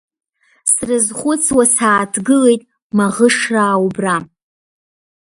Срызхәыцуа сааҭгылеит маӷышраа убра…